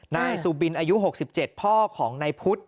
นายสุบิลอายุ๖๗พ่อของในพุทธ